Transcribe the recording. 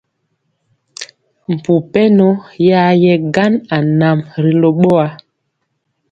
Mpu pɛnɔ ya yɛ gan anam ri lo ɓowa.